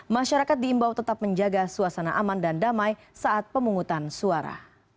masyarakat diimbau tetap menjaga suasana aman dan damai saat pemungutan suara